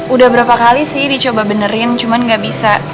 udah berapa kali sih dicoba benerin cuman gak bisa